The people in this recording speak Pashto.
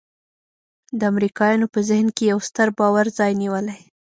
د امریکایانو په ذهن کې یو ستر باور ځای نیولی.